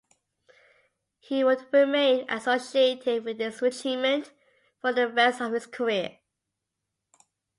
He would remain associated with this regiment for the rest of his career.